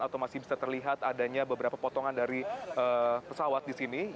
atau masih bisa terlihat adanya beberapa potongan dari pesawat di sini